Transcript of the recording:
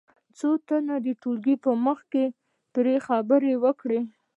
څو تنه دې د ټولګي په مخ کې پرې خبرې وکړي.